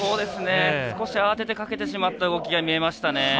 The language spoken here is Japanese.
少し慌ててかけてしまった動きが見えましたね。